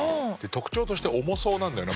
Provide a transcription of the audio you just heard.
特徴としては重そうなんだよな